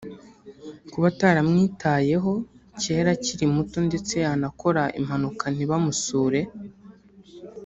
Kuba ataramwitayeho cyera akiri muto ndetse yanakora impanuka ntibamusure